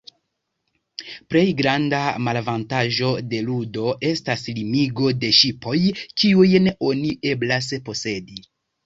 Plej granda malavantaĝo de ludo estas limigo de ŝipoj, kiujn oni eblas posedi.